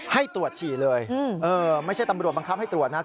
ให้ตรวจฉี่เลยไม่ใช่ตำรวจบังคับให้ตรวจนะ